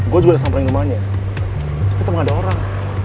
gue juga udah samplengin rumahnya tapi tetep gak ada orang